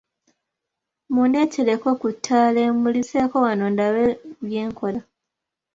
Mundeetereko ku ttaala emmuliseeko wano ndabe bye nkola.